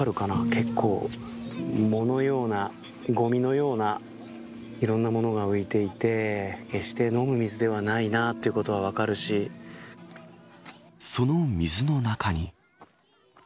結構、藻のような、ごみのようないろんなものが浮いていて決して飲む水ではないなその水の中に。